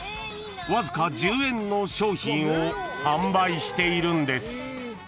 ［わずか１０円の商品を販売しているんです］